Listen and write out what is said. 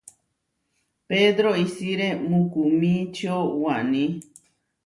Pedro isiré mukumičio waní.